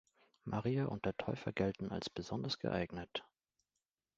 Maria und der Täufer gelten als besonders geeignet.